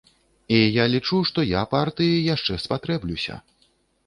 І я лічу, што я партыі яшчэ спатрэблюся.